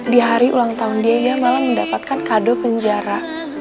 di hari ulang tahun dia ia malah mendapatkan kado penjara